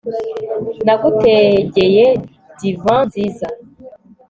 nagutegeye divant nziza